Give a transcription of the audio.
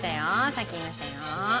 さっき言いましたよ。